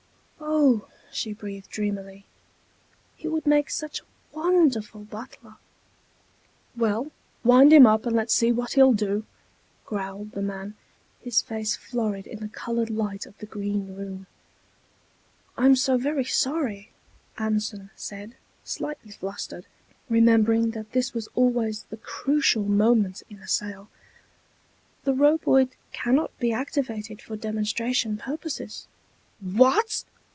"Oh!" she breathed dreamily. "He would make such a wonderful butler." "Well, wind him up and let's see what he'll do," growled the man, his face florid in the colored light of the Green Room. "I'm so very sorry," Anson said, slightly flustered, remembering that this was always the crucial moment in a sale. "The Roboid cannot be activated for demonstration purposes." "What?"